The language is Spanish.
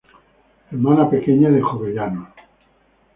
Hermana pequeña de Jovellanos.